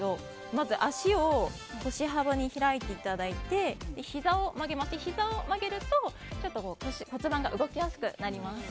まず、脚を腰幅に開いていただいてひざを曲げると骨盤が動きやすくなります。